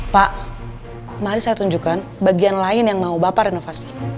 pak mari saya tunjukkan bagian lain yang mau bapak renovasi